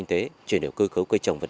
tỷ lệ hộ nghèo